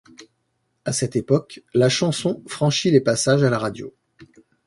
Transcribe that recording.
À cette époque, la chanson franchit les passages à la radio.